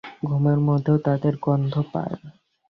ঘুমের মধ্যেও তাদের গন্ধ পাই।